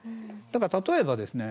だから例えばですね